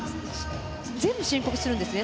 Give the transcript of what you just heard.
全部申告するんですね。